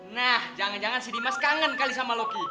nah jangan jangan si dimas kangen kali sama loki